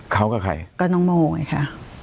ก็น้องโมไงค่ะ